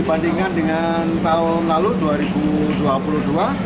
dibandingkan dengan tahun lalu dua ribu dua puluh dua